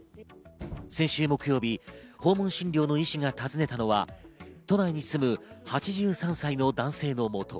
先週木曜日、訪問診療の医師が訪ねたのは、都内に住む８３歳の男性のもと。